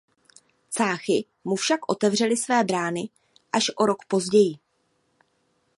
Cáchy mu však otevřely své brány až o rok později.